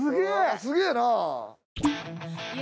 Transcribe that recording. すげえな。